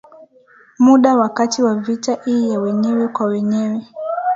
muda wakati wa vita hii ya wenyewe kwa wenyewe